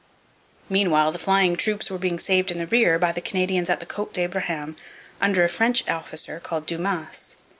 Meanwhile the flying troops were being saved in the rear by the Canadians at the Cote d'Abraham under a French officer called Dumas.